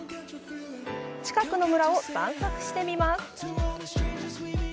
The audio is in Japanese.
近くの村を散策してみます。